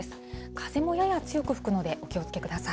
風もやや強く吹くのでお気をつけください。